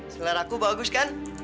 selera aku bagus kan